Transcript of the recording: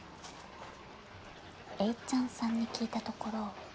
えいちゃんさんに聞いたところ。